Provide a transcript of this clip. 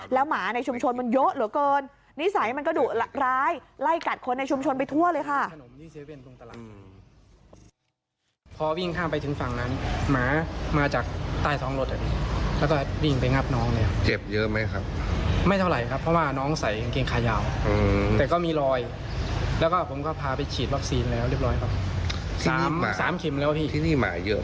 แล้วหมาในชุมชนมันเยอะเหลือเกินนิสัยมันก็รู้ร้าย